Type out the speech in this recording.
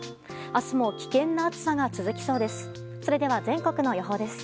明日も危険な暑さが続きそうです。